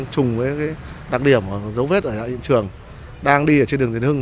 trùng với đặc điểm giấu vết ở hiện trường đang đi trên đường tiền hưng